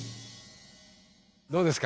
どうですか？